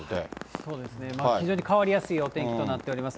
そうですね、非常に変わりやすいお天気となっています。